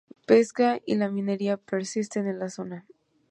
Pesca y la minería persisten en la zona.